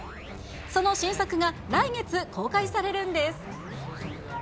その新作が来月公開されるんです。